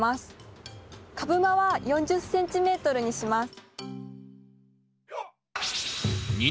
株間は４０ｃｍにします。